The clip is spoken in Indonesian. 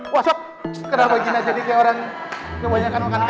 wassup kenapa gini jadi kayak orang kebanyakan makan kaku